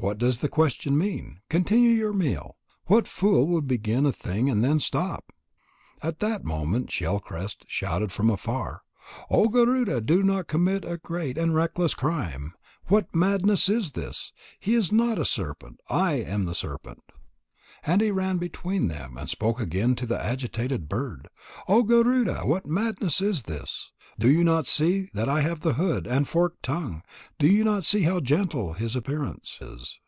What does the question mean? Continue your meal. What fool would begin a thing and then stop?" At that moment Shell crest shouted from afar: "O Garuda, do not commit a great and reckless crime. What madness is this? He is not a serpent. I am the serpent." And he ran between them and spoke again to the agitated bird: "O Garuda, what madness is this? Do you not see that I have the hood and the forked tongue? Do you not see how gentle his appearance is?"